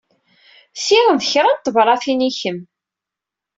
Ti d kra n tebṛatin i kemm.